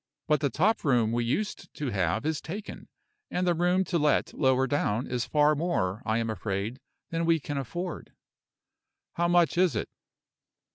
But the top room we used to have is taken, and the room to let lower down is far more, I am afraid, than we can afford." "How much is it?"